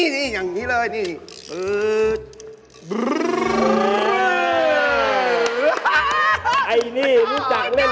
ตัดตัดผมอุ๊ยตายแล้ว